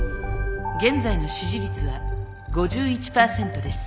現在の支持率は５１％です。